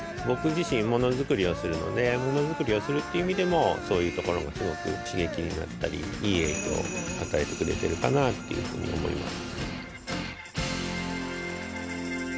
僕自身ものづくりをするのでものづくりをするっていう意味でもそういうところがすごく刺激になったりいい影響を与えてくれてるかなっていうふうに思います。